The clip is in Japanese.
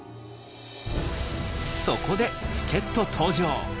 そこで助っ人登場！